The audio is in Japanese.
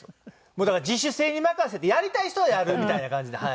もうだから自主性に任せてやりたい人はやるみたいな感じで。